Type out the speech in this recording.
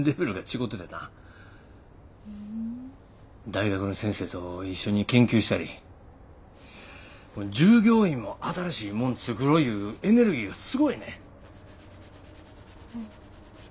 大学の先生と一緒に研究したり従業員も新しいもん作ろいうエネルギーがすごいねん。